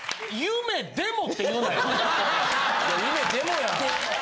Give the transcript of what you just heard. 夢でもや。